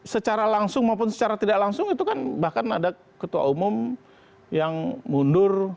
secara langsung maupun secara tidak langsung itu kan bahkan ada ketua umum yang mundur